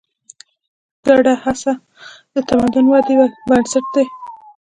ګډه هڅه د تمدن ودې بنسټ دی.